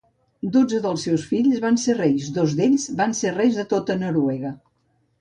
Dotze dels seus fills van ser reis, dos d'ells van ser reis de tota Noruega.